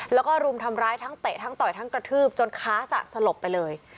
แล้วก็รุมทำร้ายทั้งเตะทั้งต่อยทั้งกระทืบจนค้าสะสลบไปเลย